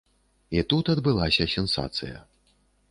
І тут адбылася сенсацыя.